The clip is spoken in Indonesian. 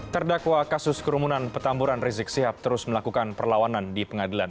terdakwa kasus kerumunan petamburan rizik sihab terus melakukan perlawanan di pengadilan